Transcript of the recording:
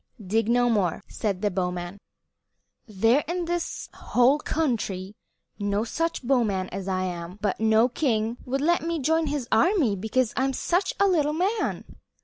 "Dig no more," said the bowman. "There is in this whole country no such bowman as I am; but no king would let me join his army because I am such a little man.